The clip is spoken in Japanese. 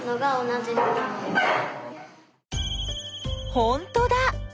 ほんとだ！